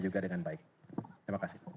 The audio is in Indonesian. juga dengan baik terima kasih